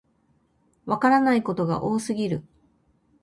わからないことが多すぎる